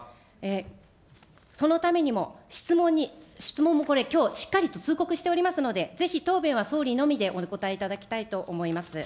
そのためにも、質問に、質問もこれ、きょう、しっかりと通告しておりますので、ぜひ答弁は総理のみでお答えいただきたいと思います。